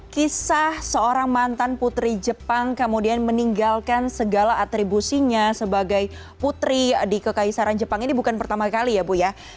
kisah seorang mantan putri jepang kemudian meninggalkan segala atribusinya sebagai putri di kekaisaran jepang ini bukan pertama kali ya bu ya